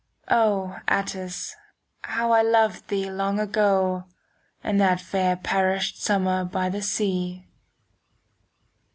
O Atthis, how I loved thee long ago In that fair perished summer by the sea!